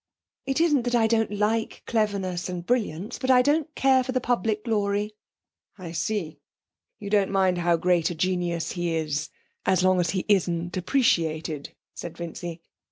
It isn't that I don't like cleverness and brilliance, but I don't care for the public glory.' 'I see; you don't mind how great a genius he is, as long as he isn't appreciated,' replied Vincy.